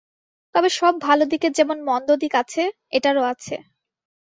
তবে সব ভালো দিকের যেমন মন্দ দিক আছে -এটারও আছে।